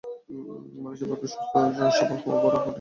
মানুষের পক্ষে সুস্থ সরল সবল হওয়া বড়ো কঠিন যখন দেশে আনন্দ না থাকে।